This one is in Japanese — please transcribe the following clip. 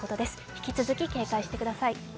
引き続き警戒してください。